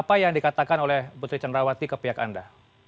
apa yang dikatakan oleh putri cenrawati ke pihak anda